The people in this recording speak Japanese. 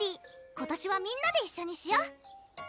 今年はみんなで一緒にしよう！